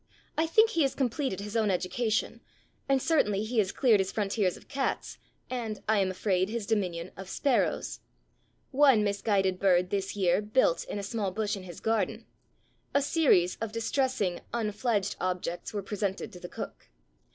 I think he has completed his own education, and certainly he has cleared his frontiers of cats, and, I am afraid, his dominion of sparrows. One misguided bird this year built in a small bush in his garden. A series of distressing un fledged objects were presented to the cook.